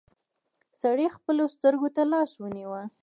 سړي خپلو سترګو ته لاس ونيو.